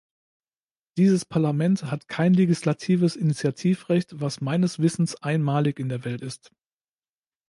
Dieses Parlament hat kein legislatives Initiativrecht was meines Wissens einmalig in der Welt ist.